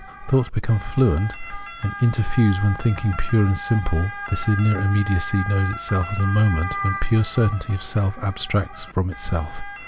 Thoughts become fluent and interfuse, when thinking pure and simple, this inner immediacy, knows itself as a moment, when pure certainty of self abstracts from itself.